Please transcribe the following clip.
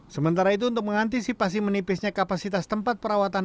sementara itu untuk mengantisipasi menipisnya kapasitas tempat perawatan